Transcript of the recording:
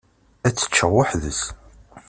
Ad t-ǧǧeɣ weḥd-s.